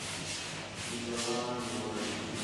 پلان ولرئ.